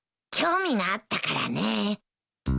興味があったからね。